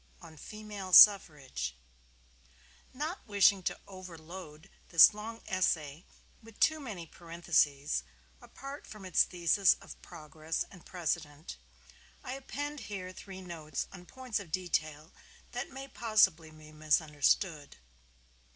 ON FEMALE SUFFRAGE Not wishing to overload this long essay with too many parentheses, apart from its thesis of progress and precedent, I append here three notes on points of detail that may possibly be misunderstood.